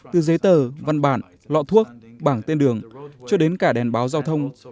từ giấy tờ văn bản lọ thuốc bảng tên đường cho đến cả đèn báo giao thông